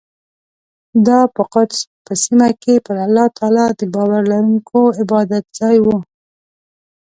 دا په قدس په سیمه کې پر الله تعالی د باور لرونکو عبادتځای و.